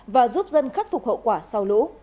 và giúp dân khắc phục hậu quả sau lũ